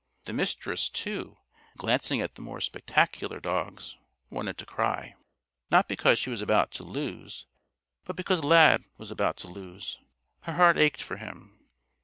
The Mistress, too, glancing at the more spectacular dogs, wanted to cry not because she was about to lose, but because Lad was about to lose. Her heart ached for him.